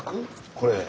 これ。